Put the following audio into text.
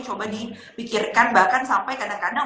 coba dipikirkan bahkan sampai kadang kadang